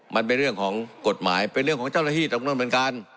มันเป็นเรื่องของกฎหมายเป็นเรื่องของเจ้าหน้าที่ตำรวจเหมือนกัน